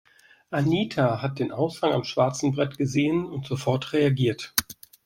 Anita hat den Aushang am schwarzen Brett gesehen und sofort reagiert.